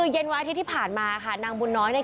เย็นวันอาทิตย์ที่ผ่านมาค่ะนางบุญน้อยเนี่ย